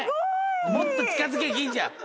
もっと近づけ金ちゃん。